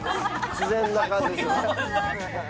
自然な感じです。